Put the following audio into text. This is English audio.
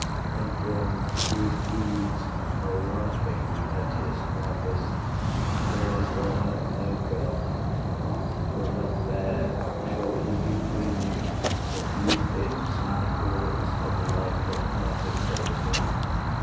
And one whose weeds are laughing at his harvest May as well have no garden; for not there Shall he be gleaning the few bits and orts Of life that are to save him.